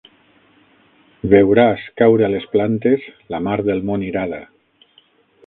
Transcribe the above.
Veuràs caure a les plantes la mar del món irada.